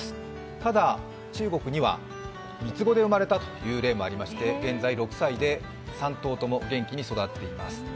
ただ、中国には三つ子で生まれた例もありまして現在、６歳で３頭とも元気に育っています。